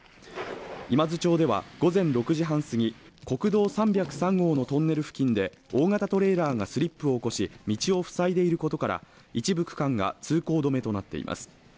今津町では午前６時半過ぎ、国道３０３号のトンネル付近で大型トレーラーがスリップを起こし、道を塞いでいることから一部区間が通行止めとなっています。